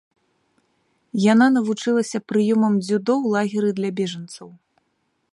Яна навучылася прыёмам дзюдо ў лагеры для бежанцаў.